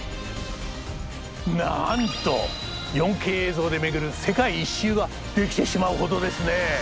なんと４Ｋ映像で巡る世界一周ができてしまうほどですね！